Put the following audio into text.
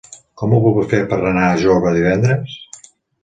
Com ho puc fer per anar a Jorba divendres?